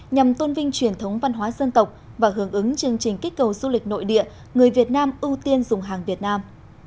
nhằm tôn vinh truyền thống văn hóa dân tộc và hướng ứng chương trình kích cầu du lịch nội địa người việt nam ưu tiên dùng hàng việt nam